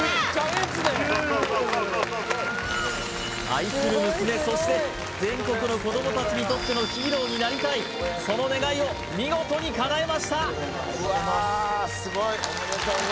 愛する娘そして全国の子どもたちにとってのヒーローになりたいその願いを見事にかなえました